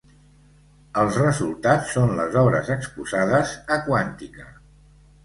Els resultats són les obres exposades a ‘Quàntica’.